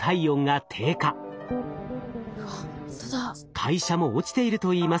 代謝も落ちているといいます。